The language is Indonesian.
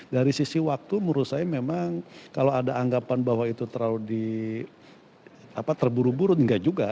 dari sisi waktu menurut saya memang kalau ada anggapan bahwa itu terlalu terburu buru enggak juga